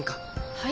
はい？